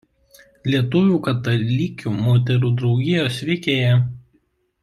Lietuvių katalikių moterų draugijos veikėja.